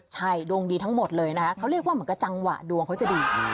ใช่ดวงดีทั้งหมดเลยนะคะเขาเรียกว่าเหมือนกับจังหวะดวงเขาจะดี